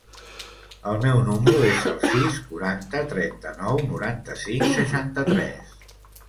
El meu número es el sis, quaranta, trenta-nou, noranta-cinc, seixanta-tres.